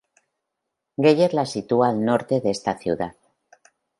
Geyer la sitúa al norte de esta ciudad.